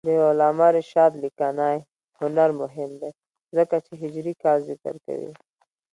د علامه رشاد لیکنی هنر مهم دی ځکه چې هجري کال ذکر کوي.